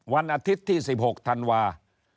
วันอาทิตย์ที่๑๖ธันวาคม